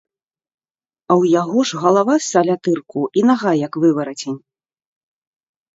А ў яго ж галава з салятырку і нага, як выварацень.